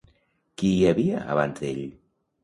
Qui hi havia abans d'ell?